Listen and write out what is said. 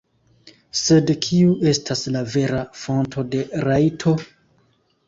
Sed kiu estas la vera fonto de rajto?